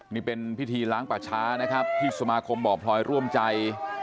นี่เป็นพิธีล้างป่าช้านะครับที่สมาคมบ่อพลอยร่วมใจ